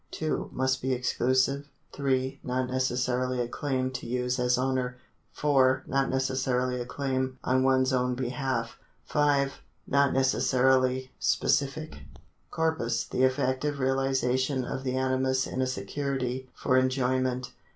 2. Must be exclusive. .3. Not necessarily a claim to use as owner. 4. Not necessarily a claim on one's own behalf. 5. Not necessarily specific. Corpus — the effective reaUsation of the animus in a security for enjoy ment.